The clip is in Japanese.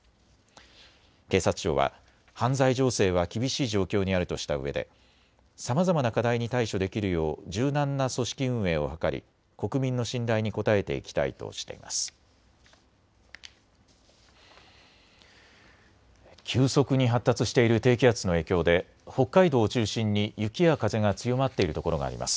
警察庁は犯罪情勢は厳しい状況にあるとしたうえでさまざまな課題に対処できるよう柔軟な組織運営を図り国民の信頼に応えていきたいとしています。